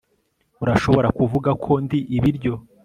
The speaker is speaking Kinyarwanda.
urashobora kuvuga ko ndi ibiryo